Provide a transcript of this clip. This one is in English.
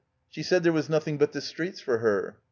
She said there was nothing but the streets for her."